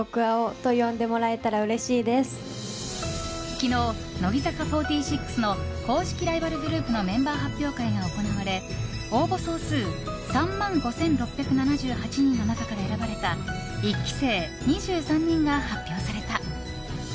昨日、乃木坂４６の公式ライバルグループのメンバー発表会が行われ応募総数３万５６７８人の中から選ばれた１期生２３人が発表された。